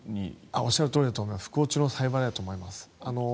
おっしゃるとおり不幸中の幸いだと思います。